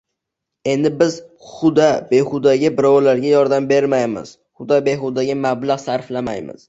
«endi biz huda-behudaga birovlarga yordam bermaymiz, huda-behudaga mablag‘ sarflamaymiz